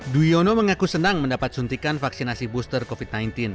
duwiono mengaku senang mendapat suntikan vaksinasi booster covid sembilan belas